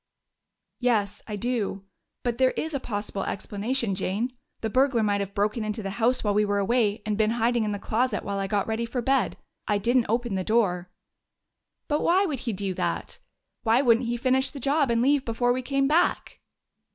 "Yes, I do. But there is a possible explanation, Jane. The burglar might have broken into the house while we were away and been hiding in the closet while I got ready for bed. I didn't open the door." "But why would he do that? Why wouldn't he finish the job and leave before we came back?"